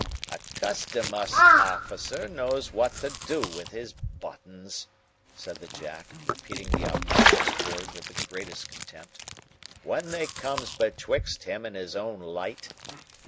"A Custom 'Us officer knows what to do with his Buttons," said the Jack, repeating the obnoxious word with the greatest contempt, "when they comes betwixt him and his own light.